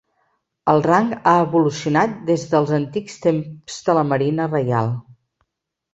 El rang ha evolucionat des dels antics temps de la Marina Reial.